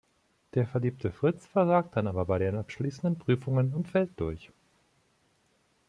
Der verliebte Fritz versagt dann aber bei den abschließenden Prüfungen und fällt durch.